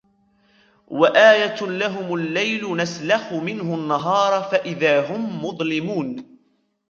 وَآيَةٌ لَهُمُ اللَّيْلُ نَسْلَخُ مِنْهُ النَّهَارَ فَإِذَا هُمْ مُظْلِمُونَ